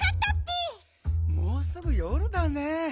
もうすぐよるだねえ。